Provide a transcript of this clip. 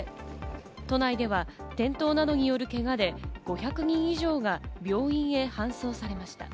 都内では転倒などによるけがで５００人以上が病院へ搬送されました。